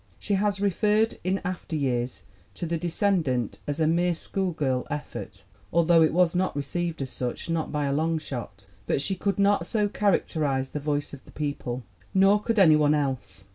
She has re ferred in after years to The Descendant as "a mere schoolgirl effort," although it was not received as such, not by a long shot ! But she could not so char acterize The Voice of the People, nor could any one else.